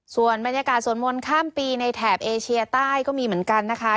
ส่วนบรรยากาศสวดมนต์ข้ามปีในแถบเอเชียใต้ก็มีเหมือนกันนะคะ